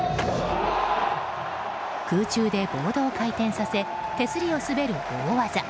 空中でボードを回転させ手すりを滑る大技。